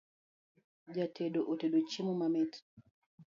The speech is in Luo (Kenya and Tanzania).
Jatedo otedo chiemo mamit